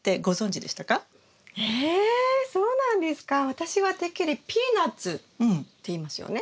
私はてっきりピーナツっていいますよね。